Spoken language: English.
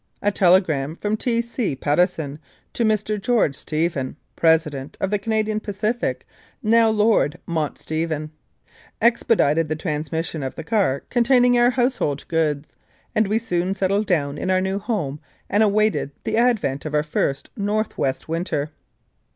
A telegram from T. C. Patteson to Mr. George Stephen, president of the Canadian Pacific (now Lord Mount Stephen), expedited the transmission of the car contain ing our household goods, and we soon settled down in our new home and awaited the advent of our first North West winter.